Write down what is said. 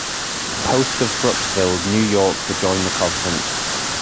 Post of Brookville, New York - to join the conference.